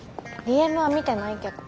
ＤＭは見てないけど。